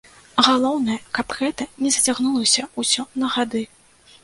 Галоўнае, каб гэта не зацягнулася ўсё на гады!